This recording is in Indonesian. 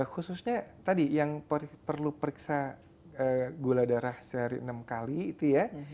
khususnya tadi yang perlu periksa gula darah sehari enam kali itu ya